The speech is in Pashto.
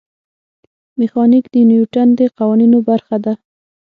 میخانیک د نیوټن د قوانینو برخه ده.